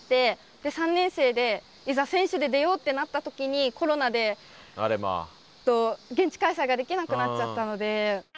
で３年生でいざ選手で出ようってなった時にコロナで現地開催ができなくなっちゃったので。